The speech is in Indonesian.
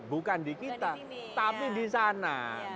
bukan di kita tapi di sana